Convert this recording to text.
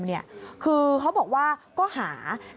เขาเค้าบอกว่าก็หา